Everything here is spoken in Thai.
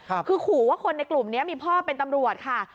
คือขู่ว่าคนในกลุ่มนี้มีพ่อเป็นตำรวจค่ะ